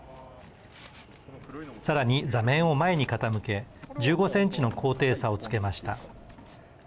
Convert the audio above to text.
さらに座面を前に傾け１５センチの高低差をつけました。